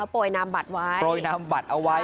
โปยนามบัตรไว้